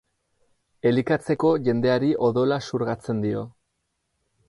Elikatzeko jendeari odola xurgatzen dio.